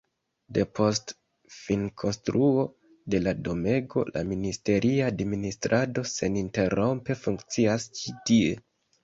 Depost finkonstruo de la domego la ministeria administrado seninterrompe funkcias ĉi tie.